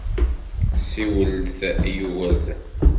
Siwelt i Yugurten.